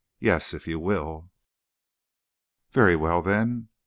"Yes, if you will." "Very well, then."